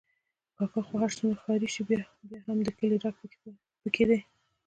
کاکا خو چې هر څومره ښاري شي، بیا هم د کلي رګ پکې دی.